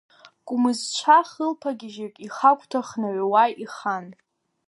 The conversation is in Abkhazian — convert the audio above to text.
Кәмызцәа хылԥа гьежьык ихагәҭа хнаҩауа ихан.